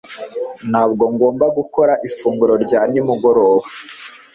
Ntabwo ngomba gukora ifunguro rya nimugoroba